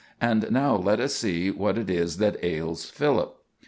And now let us see what it is that ails Philip.